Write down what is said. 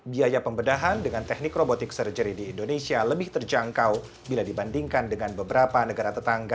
biaya pembedahan dengan teknik robotic surgery di indonesia lebih terjangkau bila dibandingkan dengan beberapa negara tetangga